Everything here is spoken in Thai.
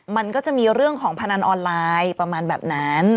มันก็จะมีเรื่องของพนันออนไลน์ประมาณแบบนั้น